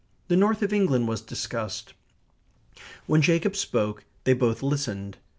The North of England was discussed. When Jacob spoke they both listened.